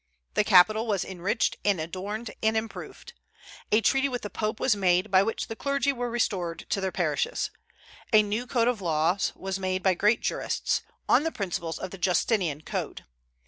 The capital was enriched and adorned and improved. A treaty with the Pope was made, by which the clergy were restored to their parishes. A new code of laws was made by great jurists, on the principles of the Justinian Code.